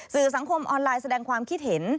สื่อสังคมออนไลน์แสดงความคิดเห็น